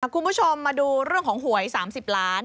คุณผู้ชมมาดูเรื่องของหวย๓๐ล้าน